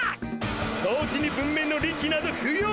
掃除に文明の利器など不要だ！